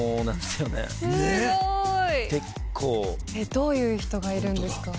すごい！どういう人がいるんですか？